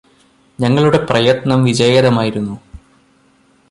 ഞങ്ങളുടെ പ്രയത്നം വിജയകരമായിരുന്നു